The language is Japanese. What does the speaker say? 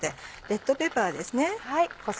レッドペッパーですね。